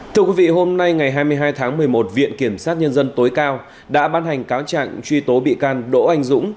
thưa quý vị hôm nay ngày hai mươi hai tháng một mươi một viện kiểm sát nhân dân tối cao đã ban hành cáo trạng truy tố bị can đỗ anh dũng